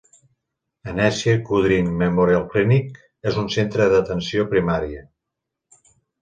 Anesia Kudrin Memorial Clinic és un centre d'atenció primària.